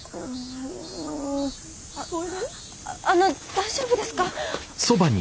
あの大丈夫ですか？